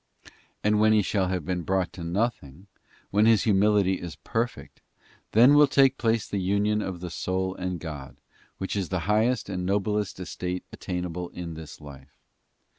And when he shall have been brought to nothing, when his hu mility is perfect, then will take place the union of the soul and God, which is the highest and noblest estate attainable in this life.